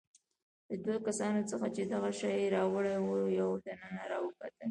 له دوو کسانو څخه چې دغه شی يې راوړی وو، یو دننه راوکتل.